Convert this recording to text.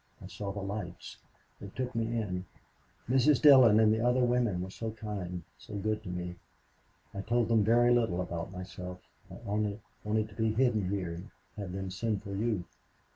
I saw the lights. They took me in. Mrs. Dillon and the other women were so kind, so good to me. I told them very little about myself. I only wanted to be hidden here and have them send for you.